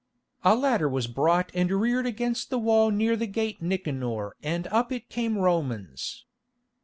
A ladder was brought and reared against the wall near the Gate Nicanor and up it came Romans.